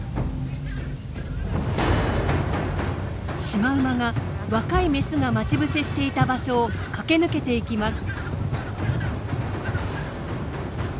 シマウマが若いメスが待ち伏せしていた場所を駆け抜けていきます。